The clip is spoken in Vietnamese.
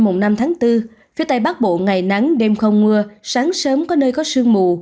ngày năm tháng bốn phía tây bắc bộ ngày nắng đêm không mưa sáng sớm có nơi có sương mù